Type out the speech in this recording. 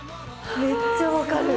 めっちゃわかる。